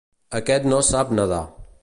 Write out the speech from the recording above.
Aquest no sap nedar.